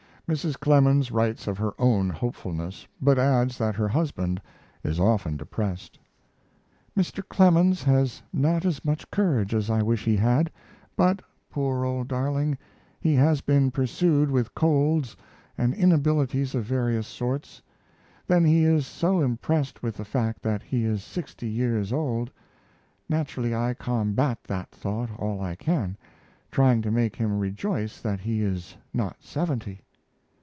Mrs. Clemens writes of her own hopefulness, but adds that her husband is often depressed. Mr. Clemens has not as much courage as I wish he had, but, poor old darling, he has been pursued with colds and inabilities of various sorts. Then he is so impressed with the fact that he is sixty years old. Naturally I combat that thought all I can, trying to make him rejoice that he is not seventy....